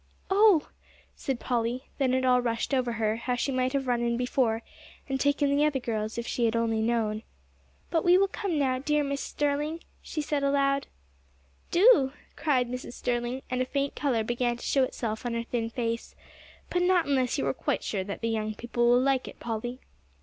"Oh!" said Polly. Then it all rushed over her how she might have run in before, and taken the other girls if she had only known. "But we will come now, dear Mrs. Sterling," she said aloud. "Do," cried Mrs. Sterling, and a faint color began to show itself on her thin face, "but not unless you are quite sure that the young people will like it, Polly."